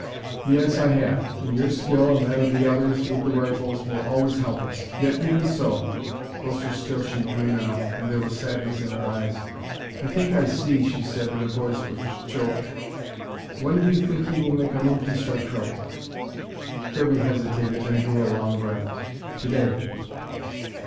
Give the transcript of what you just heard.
"Yes, I have. And your skill, and that of the others, with the rifles, will always help us. Yet even so " Closer still she drew now, and there was sadness in her eyes. "I think I see," she said in a voice which choked. "When do you think he will make a move to start trouble?" Kirby hesitated, then drew a long breath. "To day!"